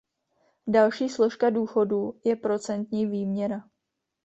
Další složka důchodu je procentní výměra.